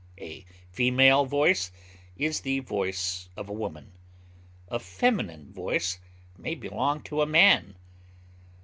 A female voice is the voice of a woman; a feminine voice may belong to a man.